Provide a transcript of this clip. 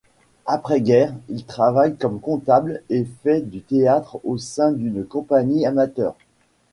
Après-guerre, il travaille comme comptable et fait du théâtre au sein d'une compagnie amateur.